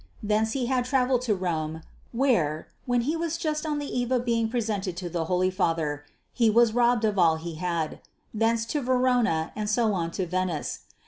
Thence he had travelled to Rome where, when he was just on the eve of being presented to the Holy Father, he was robbed of all he had; thence to Verona and so on to Venice.